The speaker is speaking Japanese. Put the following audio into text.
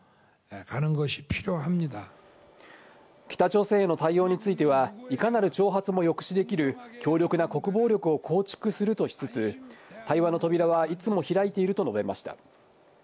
北朝鮮への対応については、いかなる挑発も抑止できる、強力な国防力を構築するとしつつ、対話の扉はいつも開いていると述べました。